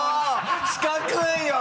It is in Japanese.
四角いよ！